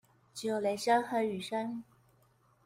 只有雷聲和雨聲